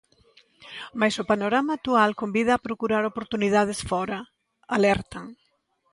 Máis o panorama actual convida a procurar oportunidades fóra, alertan.